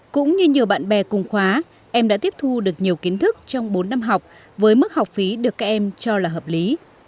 cũng như nhiều bạn bè cùng khóa em đã tiếp thu được nhiều kiến thức trong bốn năm học với mức học phí được các em cho là hợp lý